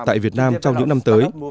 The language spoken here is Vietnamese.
tại việt nam trong những năm tới